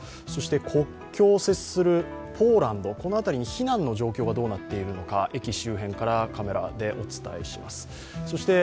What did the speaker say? そして国境を接するポーランド、この辺りの避難の状況がどうなっとているのか、駅周辺からカメラでお伝えします。